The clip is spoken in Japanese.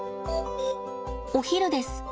お昼です。